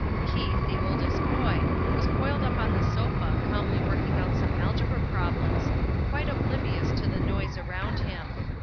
Keith, the oldest boy, was coiled up on the sofa calmly working out some algebra problems, quite oblivious to the noise around him.